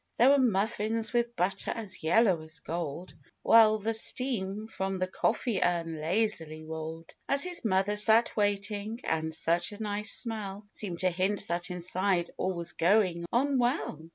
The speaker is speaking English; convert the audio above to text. There were muffins, with butter as yellow as gold, "While the steam from the coffee urn lazily rolled, As his Mother sat waiting; and such a nice smell Seemed to hint that inside all was going on well